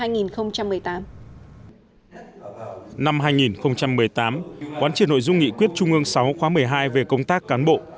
năm hai nghìn một mươi tám quán triển nội dung nghị quyết trung ương sáu khóa một mươi hai về công tác cán bộ